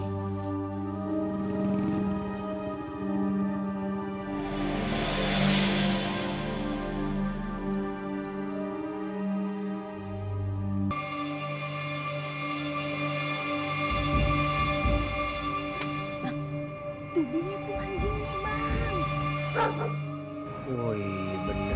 eh itu dia tuh anjingnya bang